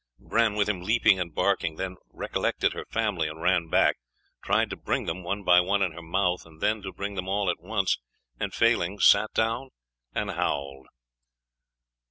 Bran ran with him, leaping and barking; then recollected her family and ran back; tried to bring them, one by one, in her mouth, and then to bring them all at once; and failing sat down and howled.